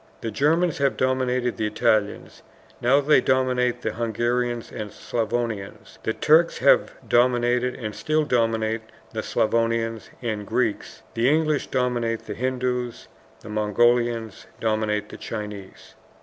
The Germans have dominated the Italians, now they dominate the Hungarians and Slavonians; the Turks have dominated and still dominate the Slavonians and Greeks; the English dominate the Hindoos, the Mongolians dominate the Chinese.